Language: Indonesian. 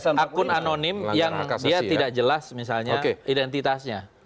ada akun anonim yang dia tidak jelas misalnya identitasnya